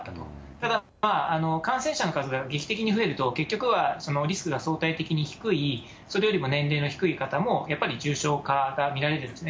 ただ、感染者の数が劇的に増えると、結局はリスクが相対的に低い、それよりも年齢の低い方もやっぱり重症化が見られるんですね。